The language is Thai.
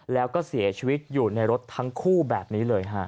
แล้วก็เสียชีวิตอยู่ในรถทั้งคู่แบบนี้เลยฮะ